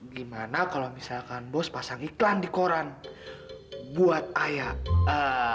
gimana kalau misalkan bos pasang iklan di koran buat ayah